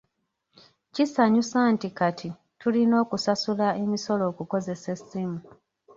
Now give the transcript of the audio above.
Kisanyusa nti kati tulina okusasula emisolo okukozesa essimu.